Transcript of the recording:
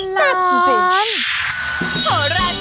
เซ็บจริง